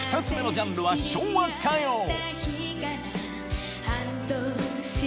２つ目のジャンルは「昭和歌謡」